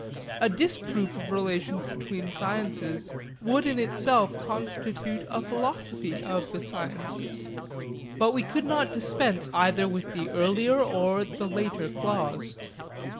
A disproof of relations between sciences would in itself constitute a philosophy of the sciences. But we could not dispense either with the earlier or the later clause.